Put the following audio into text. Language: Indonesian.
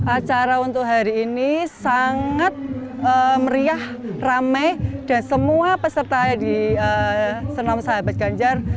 acara untuk hari ini sangat meriah ramai dan semua peserta di senam sahabat ganjar